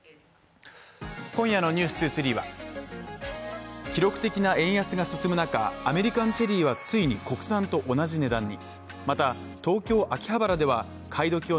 今夜の「ｎｅｗｓ２３」は記録的な円安が進む中アメリカンチェリーはついに国産と同じ値段に。